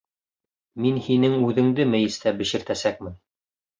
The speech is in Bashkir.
Мин һинең үҙеңде мейестә бешертәсәкмен.